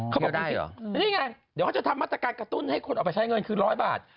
เขาบอกดูสินี่ไงเดี๋ยวเขาจะทำมาตรการกระตุ้นให้คนออกไปใช้เงินคือ๑๐๐บาท